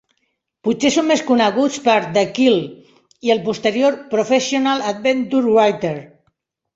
Potser són més coneguts per "The Quill" i el posterior "Professional Adventure Writer".